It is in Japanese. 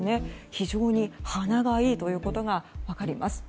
非常に鼻がいいということが分かります。